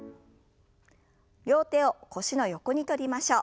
両手を腰の横に取りましょう。